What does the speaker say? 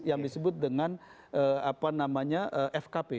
yang disebut dengan apa namanya fkp